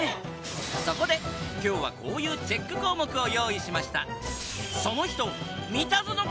そこで今日はこういうチェック項目を用意しました